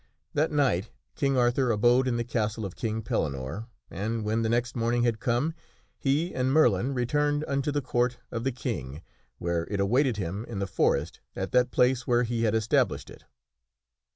That night King Arthur abode in the castle of King Pellinore, and when the next morning had come, he and Merlin returned unto the Court of the King, where it awaited him in the forest at that place where he had established it.